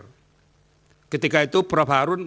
ketika itu prof harun arasid prof harun arasid prof harun arasid